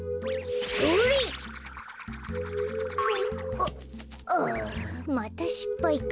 あまたしっぱいか。